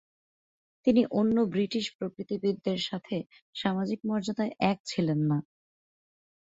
তিনি অন্য ব্রিটিশ প্রকৃতিবিদদের সাথে সামাজিক মর্যাদায় এক ছিলেন না।